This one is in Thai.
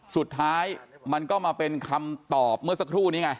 สุดท้ายมันก็มาเป็นคำตอบเมื่อสักครู่นี้ไง